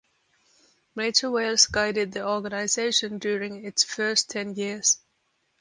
Major Welch guided the organization during its first ten years.